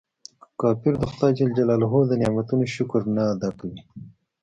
کافر د خداي د نعمتونو شکر نه ادا کوي.